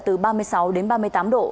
từ ba mươi sáu đến ba mươi tám độ